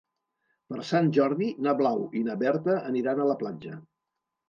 Per Sant Jordi na Blau i na Berta aniran a la platja.